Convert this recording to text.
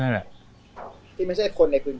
นั่นแหละ